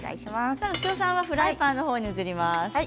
牛尾さんはフライパンに移ります。